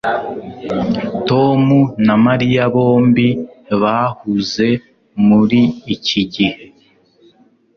Tom na Mariya bombi bahuze muri iki gihe